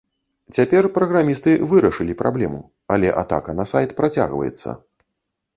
Цяпер праграмісты вырашылі праблему, але атака на сайт працягваецца.